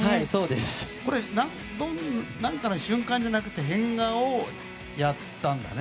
何かの瞬間じゃなくて変顔をやったんだね。